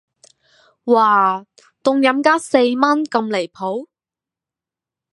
嘩,凍飲加四蚊咁離譜